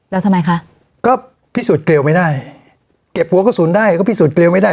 แล้วทำไมคะก็พิสูจน์เกลวไม่ได้เก็บหัวกระสุนได้ก็พิสูจนเกลียวไม่ได้